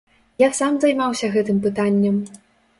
Я сам займаўся гэтым пытаннем.